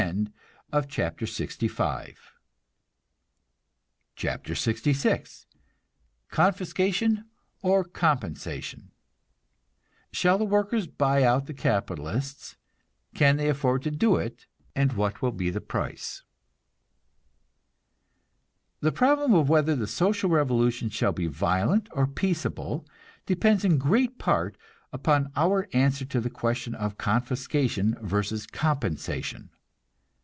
CHAPTER LXVI CONFISCATION OR COMPENSATION (Shall the workers buy out the capitalists? Can they afford to do it, and what will be the price?) The problem of whether the social revolution shall be violent or peaceable depends in great part upon our answer to the question of confiscation versus compensation.